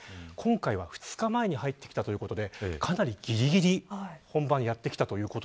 今回は２日前に入ってきたということでかなりぎりぎり本番やってきました。